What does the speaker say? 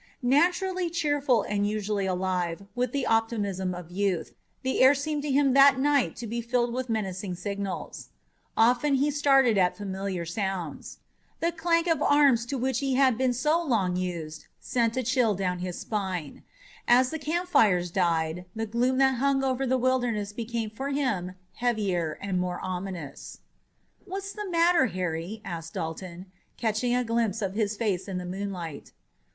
Naturally cheerful and usually alive with the optimism of youth, the air seemed to him that night to be filled with menacing signals. Often he started at familiar sounds. The clank of arms to which he had been so long used sent a chill down his spine. As the campfires died, the gloom that hung over the Wilderness became for him heavier and more ominous. "What's the matter, Harry?" asked Dalton, catching a glimpse of his face in the moonlight.